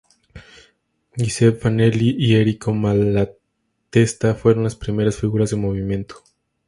Giuseppe Fanelli, y Errico Malatesta fueron las primeras figuras del movimiento.